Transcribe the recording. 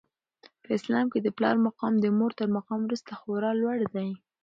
په اسلام کي د پلار مقام د مور تر مقام وروسته خورا لوړ دی.